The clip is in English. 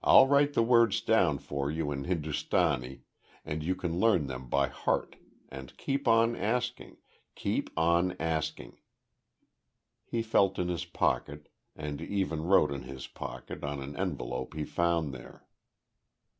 I'll write the words down for you in Hindustani, and you can learn them by heart and keep on asking keep on asking." He felt in his pocket, and even wrote in his pocket, on an envelope he found there.